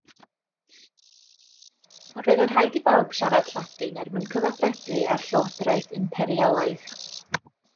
Roedd yn rhaid i bawb siarad Lladin er mwyn cyfathrebu â'r llywodraeth imperialaidd.